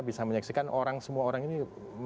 bisa menyaksikan semua orang ini